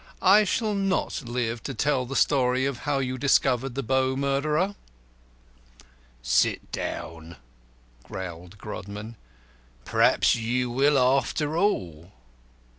"I shall not live to tell the story of how you discovered the Bow murderer." "Sit down," growled Grodman; "perhaps you will after all."